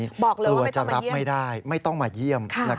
บอกเลยว่าไม่ต้องมาเยี่ยมตัวจะรับไม่ได้ไม่ต้องมาเยี่ยม